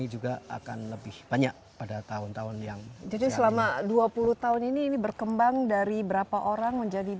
jadi konsepnya adalah seperti perumahan